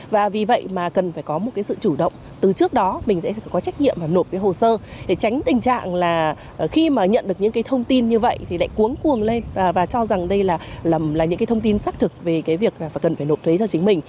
và vì vậy mà cần phải có một cái sự chủ động từ trước đó mình sẽ có trách nhiệm và nộp cái hồ sơ để tránh tình trạng là khi mà nhận được những cái thông tin như vậy thì lại cuốn cuồng lên và cho rằng đây là những cái thông tin xác thực về cái việc cần phải nộp thuế cho chính mình